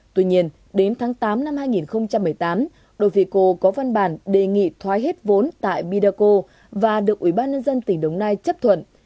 tuy nhiên đến tháng tám năm hai nghìn một mươi tám dofico có văn bản đề nghị thoái hết vốn tại bidaco và được ủy ban nhân dân tỉnh đồng nai chấp thuận